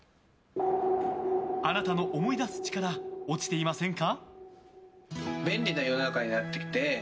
あなたの思い出す力落ちていませんか？